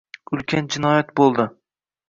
ulkan jinoyat bo‘ldi.